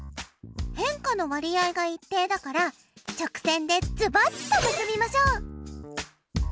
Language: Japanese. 変化の割合が一定だから直線でズバッと結びましょう。